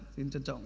xin trân trọng